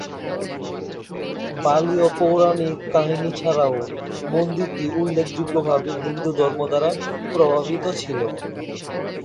বালীয় পৌরাণিক কাহিনী ছাড়াও, মন্দিরটি উল্লেখযোগ্যভাবে হিন্দুধর্ম দ্বারা প্রভাবিত ছিল।